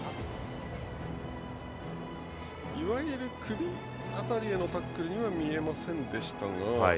いわゆる首辺りへのタックルには見えませんでしたが。